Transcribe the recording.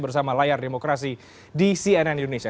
bersama layar demokrasi di cnn indonesia